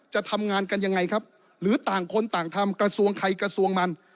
จะทำงานกันยังไงครับหรือต่างคนต่างทำกระทรวงใครกระทรวงมัน